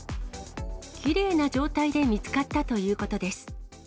キレイな状態で見つかったということです。